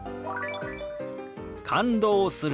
「感動する」。